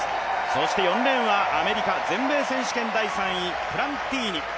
そして４レーンはアメリカ、全米選手権第３位、プランティニ。